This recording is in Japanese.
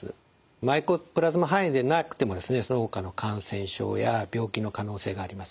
マイコプラズマ肺炎でなくてもですねそのほかの感染症や病気の可能性があります。